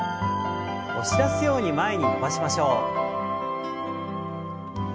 押し出すように前に伸ばしましょう。